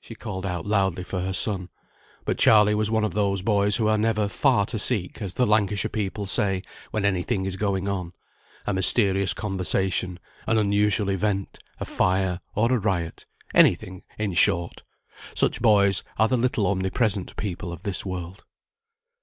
She called out loudly for her son: but Charley was one of those boys who are never "far to seek," as the Lancashire people say, when any thing is going on; a mysterious conversation, an unusual event, a fire, or a riot, any thing, in short; such boys are the little omnipresent people of this world.